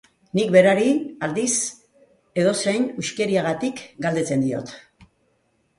Nik berari, aldiz, edozein huskeriagatik galdetzen diot.